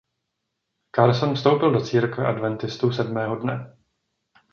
Carson vstoupil do církve Adventistů sedmého dne.